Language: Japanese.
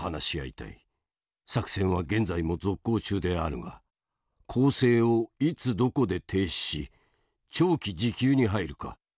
作戦は現在も続行中であるが攻勢をいつどこで停止し長期持久に入るか。